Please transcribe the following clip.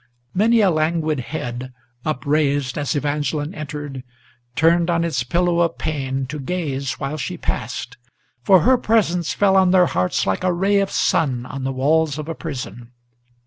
Many a languid head, upraised as Evangeline entered, Turned on its pillow of pain to gaze while she passed, for her presence Fell on their hearts like a ray of the sun on the walls of a prison.